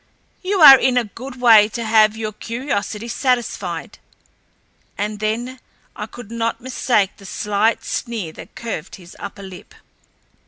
"You are in a good way to have your curiosity satisfied." And then I could not mistake the slight sneer that curved his upper lip.